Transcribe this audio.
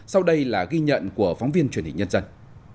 sau đây là ghi nhận của phóng viên truyền hình nhân dân